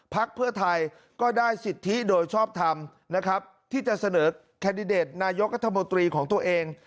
พักเพื่อไทยก็ได้สิทธิโดยชอบทำนะครับที่จะเสนอแคนดิเดตนายกรัฐมนตรีของตัวเอง